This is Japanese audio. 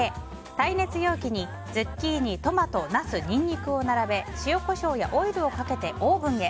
耐熱容器にズッキーニ、ナストマト、ニンニクを並べ塩、コショウやオイルをかけてオーブンへ。